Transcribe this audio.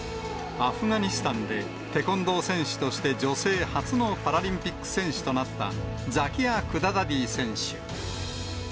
アフガニスタンで、テコンドー選手として女性初のパラリンピック選手となった、ザキア・クダダディ選手。